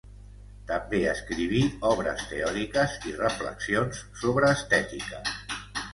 També escriví obres teòriques i reflexions sobre estètica.